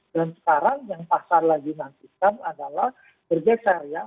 dan sekarang yang pasar lagi nantikan adalah bergeser ya